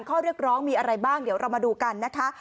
ข้อเรียกร้องมีอะไรบ้างเดี๋ยวเรามาดูกันนะคะ